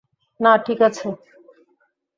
না, ঠিকাছে।